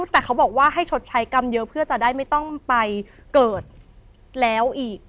แต่เขาบอกว่าให้ชดใช้กรรมเยอะเพื่อจะได้ไม่ต้องไปเกิดแล้วอีก